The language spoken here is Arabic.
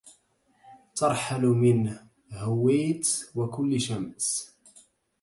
ترحل من هويت وكل شمس